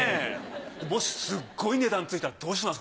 もしすっごい値段ついたらどうします？